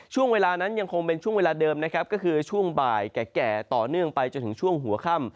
ช่วงเวลานั้นยังคงเป็นช่วงเวลาเดิมนะครับก็คือช่วงบ่ายแก่ต่อเนื่องไปจนถึงช่วงหัวค่ำ